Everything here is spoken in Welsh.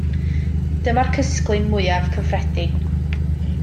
Dyma'r cysglyn mwyaf cyffredin.